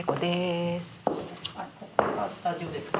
ここがスタジオですか？